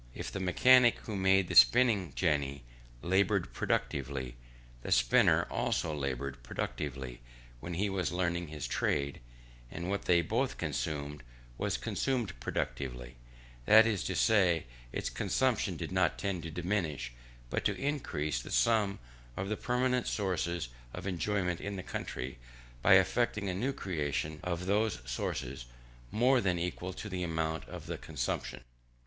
If the mechanic who made the spinning jenny laboured productively, the spinner also laboured productively when he was learning his trade: and what they both consumed was consumed productively, that is to say, its consumption did not tend to diminish, but to increase the sum of the permanent sources of enjoyment in the country, by effecting a new creation of those sources, more than equal to the amount of the consumption.